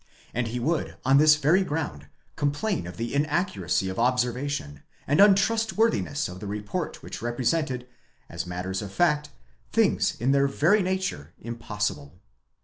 And he would on this very ground complain of the inaccuracy of observation, and untrustworthiness of the report which represented, as matters of fact, things in their very nature impossible.